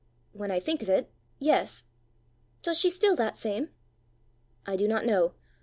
"When I think of it yes." "Does she still that same?" "I do not know.